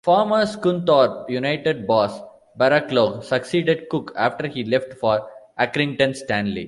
Former Scunthorpe United boss Baraclough succeeded Cook after he left for Accrington Stanley.